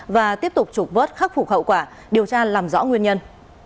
và tiếp tục trục vớt khắc phục hậu quả điều tra làm rõ nguyên nhân